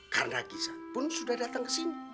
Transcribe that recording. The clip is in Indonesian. karena gisa pun sudah datang ke sini